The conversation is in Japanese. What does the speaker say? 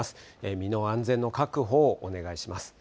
身の安全の確保をお願いします。